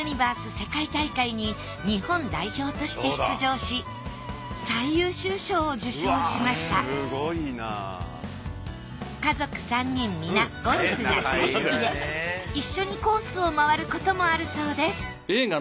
世界大会に日本代表として出場し最優秀賞を受賞しました家族３人皆ゴルフが大好きで一緒にコースを回ることもあるそうです。